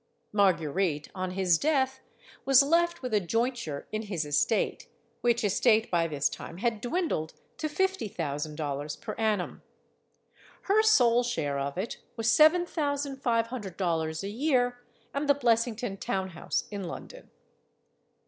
Marguerite, on his death, was left with a jointure in his estate which estate by this time had dwindled to 220 STORIES OF THE SUPER WOMEN fifty thousand dollars per annum. Her sole share of it was seven thousand five hundred dollars a year, and the Blessington town house in London.